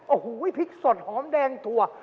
โอ้โหพริกสดหอมแดงถั่ว